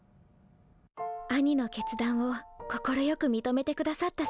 兄の決断を快く認めてくださったそうですね。